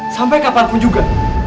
sampai kapanpun juga